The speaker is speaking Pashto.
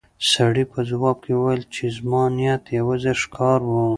سړي په ځواب کې وویل چې زما نیت یوازې ښکار و.